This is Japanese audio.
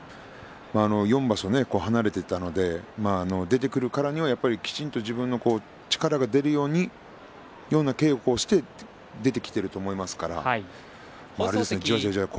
４場所離れていましたので出てくるからにはきちんと自分の力が出るようにそのような稽古をして出てきていると思います。